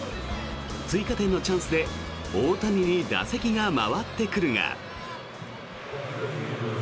追加点のチャンスで大谷に打席が回ってくるが。